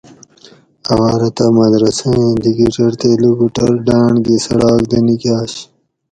اواۤلہ تہ مدرسہۤ ایں لِکِٹیر تے لُکوُٹور ڈاۤنڑ گی څڑاک دہ نِکاۤش